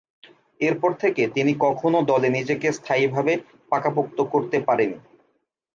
এরপর থেকে তিনি কখনো দলে নিজেকে স্থায়ীভাবে পাকাপোক্ত করতে পারেনি।